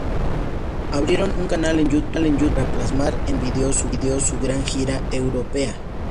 Abrieron un canal en YouTube para plasmar en video su gran gira europea.